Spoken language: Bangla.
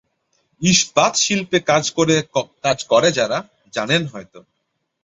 ইস্পাতশিল্পে কাজ করে যারা, জানেন হয়ত।